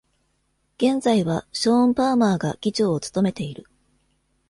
現在はショーン・パーマーが議長を務めている。